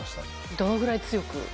どのぐらい強く？